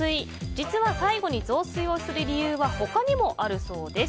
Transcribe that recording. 実は最後に雑炊をする理由は他にもあるそうです。